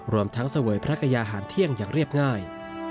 รวมทั้งเสวยพระกายาหารเที่ยงอย่างเรียบง่าย